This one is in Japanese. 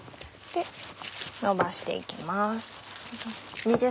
のばして行きます。